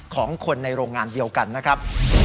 ของคนในโรงงานเดียวกันนะครับ